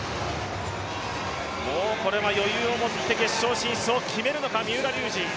これは余裕を持って決勝進出を決めるのか三浦龍司。